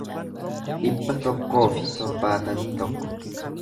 dhibba tokkoo fi torbaatamii tokko